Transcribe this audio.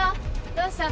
どうしたの？